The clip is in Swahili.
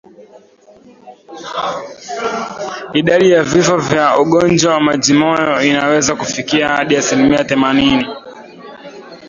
Idadi ya vifo vya ugonjwa wa majimoyo inaweza kufikia hadi asilimia themanini